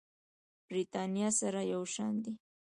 برېتانيا سره یو شان دي.